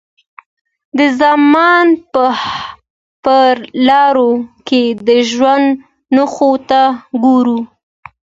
د زمان پر لارو که د ژوند نښو ته وګورو.